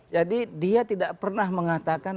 jadi dia tidak pernah mengatakan